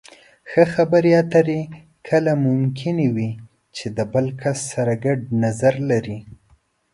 ښه خبرې اترې کله ممکنې وي چې د بل کس سره ګډ نظر لرئ.